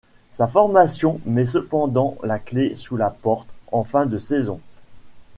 Sa formation met cependant la clé sous la porte en fin de saison.